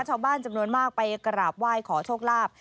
ชาวบ้านจำนวนมากไปกราบไหว้ขอโชคลาภ